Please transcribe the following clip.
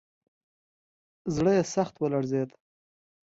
زړه یې سخت ولړزېد.